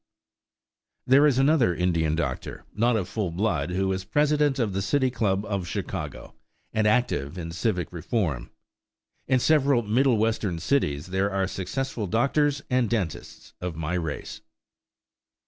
There is another Indian doctor, not of full blood, who is president of the City Club of Chicago and active in civic reform. In several Middle Western cities there are successful doctors and dentists of my race.